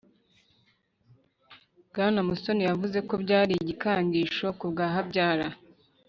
Bwana Musoni yavuze ko byari igikangisho kubwa Habyara